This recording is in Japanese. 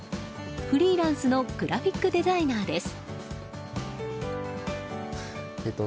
フリーランスのグラフィックデザイナーです。